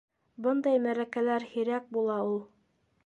Бындай мәрәкәләр һирәк була ул.